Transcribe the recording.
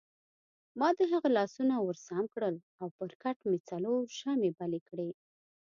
ما د هغه لاسونه ورسم کړل او پر کټ مې څلور شمعې بلې کړې.